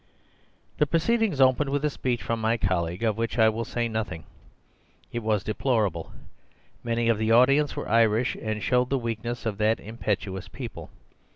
"The proceedings opened with a speech from my colleague, of which I will say nothing. It was deplorable. Many of the audience were Irish, and showed the weakness of that impetuous people.